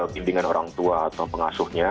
bimbingan orang tua atau pengasuhnya